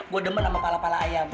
gue demen sama pala pala ayam